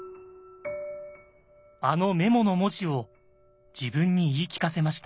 あのメモの文字を自分に言い聞かせました。